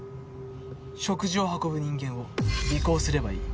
食事を運ぶ人間を尾行すればいい。